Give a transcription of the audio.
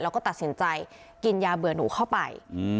แล้วก็ตัดสินใจกินยาเบื่อหนูเข้าไป